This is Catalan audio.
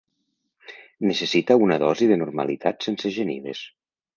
Necessita una dosi de normalitat sense genives.